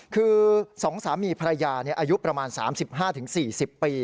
คือ๒สามีภรรยาอายุประมาณ๓๕๔๐ปี